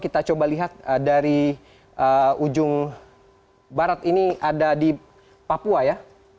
kita coba lihat dari ujung barat ini ada di papua ya